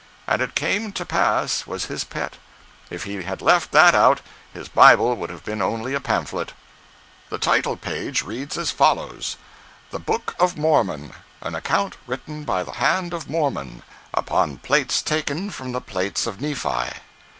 "And it came to pass" was his pet. If he had left that out, his Bible would have been only a pamphlet. The title page reads as follows: THE BOOK OF MORMON: AN ACCOUNT WRITTEN BY THE HAND OF MORMON, UPON PLATES TAKEN FROM THE PLATES OF NEPHI.